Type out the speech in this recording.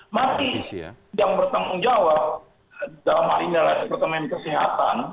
nanti yang bertanggung jawab dalam hal ini adalah departemen kesehatan